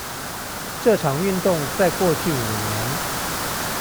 這場運動在過去五年